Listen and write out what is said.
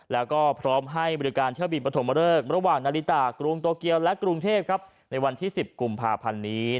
แล้วก็พร้อมให้บริการเที่ยวบินปฐมเริกระหว่างนาฬิตากรุงโตเกียวและกรุงเทพครับในวันที่๑๐กุมภาพันธ์นี้